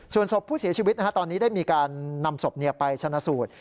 ส่วนศพผู้เสียชีวิตตอนนี้ได้มีการนำศพไปชนะสูตร